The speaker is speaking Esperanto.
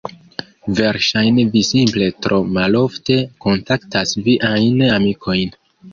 Verŝajne vi simple tro malofte kontaktas viajn amikojn.